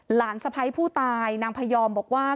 สะพ้ายผู้ตายนางพยอมบอกว่า